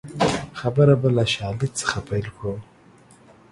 خبره به له شالید څخه پیل کړو